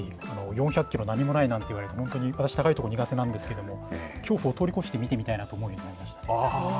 ４００キロ何もないなんて、本当に、私、高い所苦手なんですけれども、恐怖を通り越して見てみたいなと思いました。